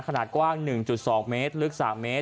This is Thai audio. ขนาดกว้าง๑๒เมตรลึก๓เมตร